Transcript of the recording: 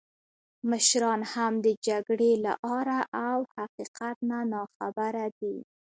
مشران هم د جګړې له آره او حقیقت نه ناخبره دي.